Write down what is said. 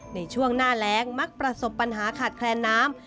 ในช่วงหน้าแรงมักประสบปัญหาขาดแคลนน้ำ